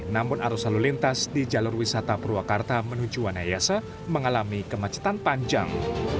namun arus lalu lintas di jalur wisata purwakarta menuju wanayasa mengalami kemacetan panjang